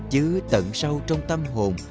chứ tận sâu trong tâm hồn